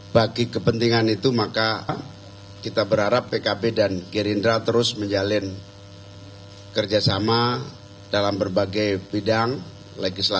bagi kepentingan itu maka kita berharap pkb dan gerindra terus menjalin kerjasama dalam berbagai bidang legislatif